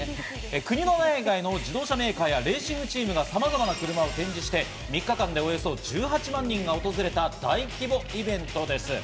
国の内外の自動車メーカーや、レーシングチームがさまざまな車を展示して、３日間でおよそ１８万人が訪れた大規模イベントです。